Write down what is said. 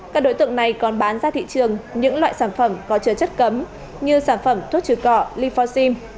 các đối tượng này còn bán ra thị trường những loại sản phẩm có chứa chất cấm như sản phẩm thuốc trừ cỏ lifoxim